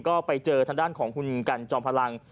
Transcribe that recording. ก็ไปเจอทางด้านของคุณกันจอมพลัง